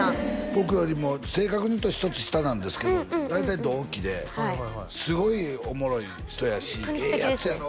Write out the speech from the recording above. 僕よりも正確に言うと１つ下なんですけど大体同期ですごいおもろい人やしええヤツやろ？